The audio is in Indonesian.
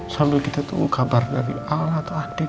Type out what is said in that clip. sambil kita tunggu kabar dari allah atau adin